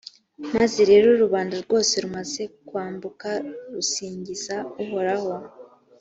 maze rero rubanda rwose rumaze kwambuka rusingiza uhoraho